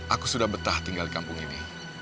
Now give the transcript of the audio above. aku sudah betah tinggal di kampung ini